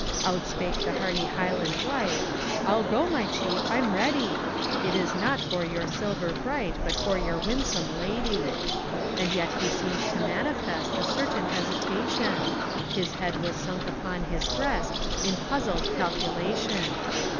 Outspake the hardy Highland wight, "I'll go, my chief, I'm ready; It is not for your silver bright, But for your winsome lady." And yet he seemed to manifest A certain hesitation; His head was sunk upon his breast In puzzled calculation.